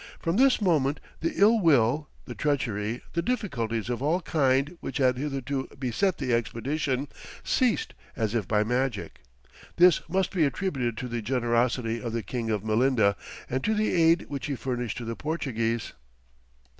From this moment the ill will, the treachery, the difficulties of all kinds which had hitherto beset the expedition, ceased as if by magic: this must be attributed to the generosity of the King of Melinda, and to the aid which he furnished to the Portuguese.